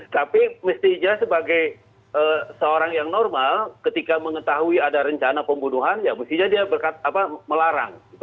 tapi mestinya sebagai seorang yang normal ketika mengetahui ada rencana pembunuhan ya mestinya dia melarang